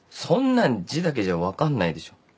そんなん字だけじゃ分かんないでしょ。